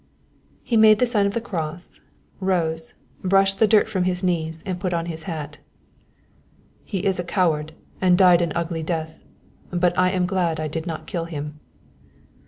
"_ He made the sign of the cross, rose, brushed the dirt from his knees and put on his hat. "He was a coward and died an ugly death, but I am glad I did not kill him."